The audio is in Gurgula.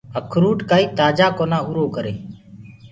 اکروُٽ ڪآئي تآجآ ڪونآ اُرو ڪري۔